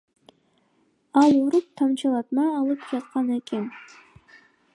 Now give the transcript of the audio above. Ал ооруп, тамчылатма алып жаткан экен.